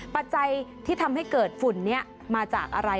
ปัจจัยที่ทำให้เกิดฝุ่นนี้มาจากอะไร